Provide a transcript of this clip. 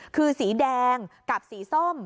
คือสีแดงกับสีส้ม